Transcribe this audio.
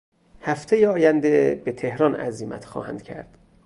هفتهٔ آینده به تهران عزیمت خواهند کرد.